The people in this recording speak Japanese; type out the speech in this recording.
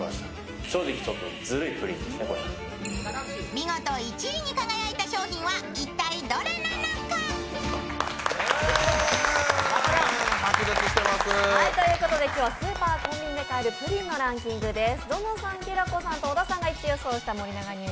見事第１位に輝いた商品は一体どれなのか？ということは今日はスーパー・コンビニで買えるプリンのランキングです。